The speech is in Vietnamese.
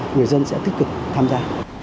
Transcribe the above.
người dân sẽ tích cực tham gia